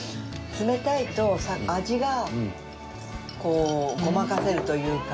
冷たいと味がこうごまかせるというか。